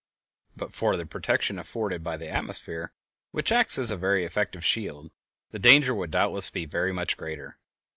But for the protection afforded by the atmosphere, which acts as a very effective shield, the danger would doubtless be very much greater.